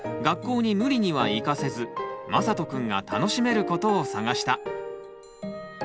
学校に無理には行かせずまさとくんが楽しめることを探した。